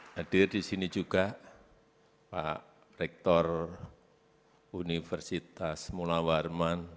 hadir di sini juga pak rektor universitas mula warman